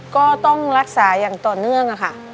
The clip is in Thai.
ก็ต้องรักษาอย่างต่อเนื่องค่ะ